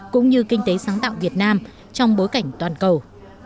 cũng như kinh tế sáng tạo việt nam trong bối cảnh toàn cầu